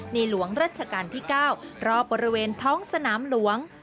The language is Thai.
หลวงรัชกาลที่๙รอบบริเวณท้องสนามหลวง